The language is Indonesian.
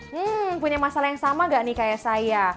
hmm punya masalah yang sama gak nih kayak saya